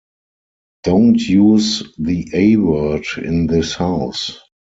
Don't use the 'A' word in this house!